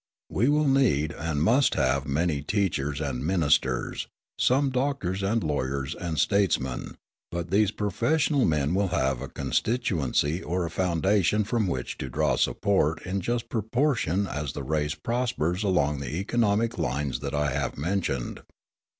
We will need and must have many teachers and ministers, some doctors and lawyers and statesmen; but these professional men will have a constituency or a foundation from which to draw support just in proportion as the race prospers along the economic lines that I have mentioned.